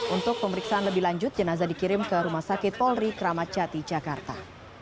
untuk pemeriksaan lebih lanjut jenazah dikirim ke rumah sakit polri kramatjati jakarta